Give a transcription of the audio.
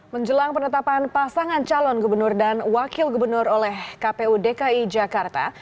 menjelang penetapan pasangan calon gubernur dan wakil gubernur oleh kpu dki jakarta